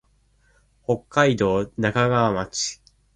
北海道中川町